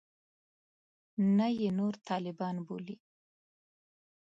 نه یې نور طالبان بولي.